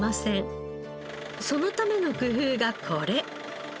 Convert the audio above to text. そのための工夫がこれ。